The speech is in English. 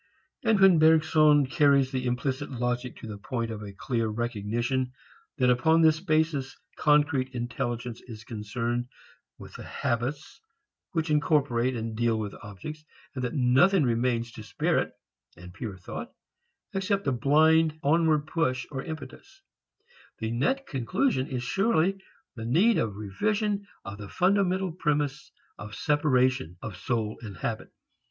And when Bergson carries the implicit logic to the point of a clear recognition that upon this basis concrete intelligence is concerned with the habits which incorporate and deal with objects, and that nothing remains to spirit, pure thought, except a blind onward push or impetus, the net conclusion is surely the need of revision of the fundamental premiss of separation of soul and habit.